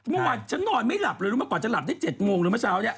เมื่อวานฉันนอนไม่หลับเลยรู้มาก่อนจะหลับได้๗โมงหรือเมื่อเช้านี้